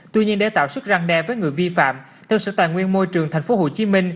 tuy nhiên để tạo sức răng đe với người vi phạm theo sở tài nguyên môi trường tp hcm